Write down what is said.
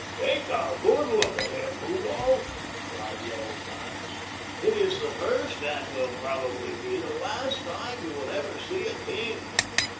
"Take a good look at him, Rudolph," cried Yellow Franz. "It is the first and will probably be the last time you will ever see a king.